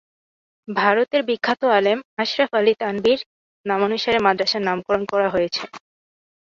ভারতের বিখ্যাত আলেম আশরাফ আলী থানভীর নামানুসারে মাদ্রাসার নামকরণ করা হয়েছে।